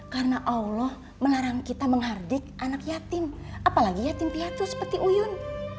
karena allah melarang kita menghardik anak yatim apalagi yatim piatu seperti uyun